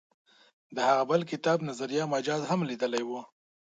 د هغه بل کتاب نظریه مجاز هم لیدلی و.